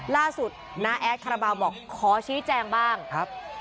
ล่าสุดน้าแอดคาราบาลบอกขอชี้แจงบ้างครับ